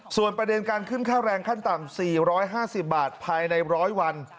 ส่วนประเด็นการขึ้นค่าแรงขั้นต่ำ๔๕๐บาทภายใน๑๐๐วัน